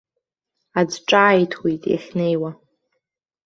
Аӡә ҿааиҭуеит иахьнеиуа.